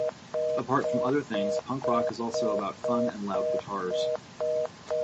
Apart from other things, punk rock also is about fun and loud guitars.